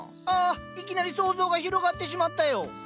ああいきなり想像が広がってしまったよ。